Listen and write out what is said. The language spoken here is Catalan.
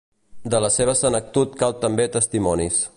De la seva senectut cal també testimonis.